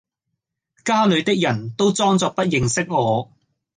家裏的人都裝作不認識我；